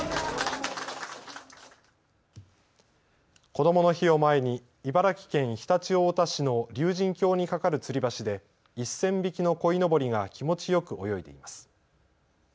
こどもの日を前に茨城県常陸太田市の竜神峡に架かるつり橋で１０００匹のこいのぼりが気持ちよく泳いでいます。